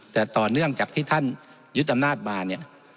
แต่ต่อเนื่องจากที่ท่านยึดอำนาจมาเนี่ย